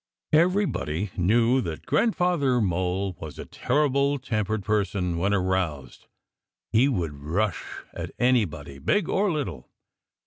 Everybody knew that Grandfather Mole was a terrible tempered person when aroused. He would rush at anybody, big or little.